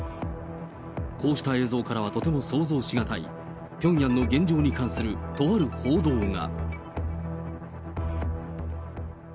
こうした映像からはとても想像し難いピョンヤンの現状に関するとある報道が。